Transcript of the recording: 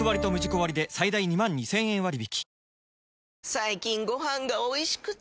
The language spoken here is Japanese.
最近ご飯がおいしくて！